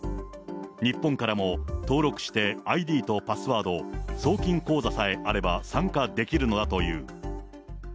日本からも登録してＩＤとパスワード、送金口座さえあれば、参加できるのだという。